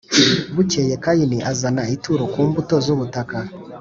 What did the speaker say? Bukeye Kayini azana ituro ku mbuto z ubutaka